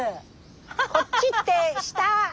こっちって下！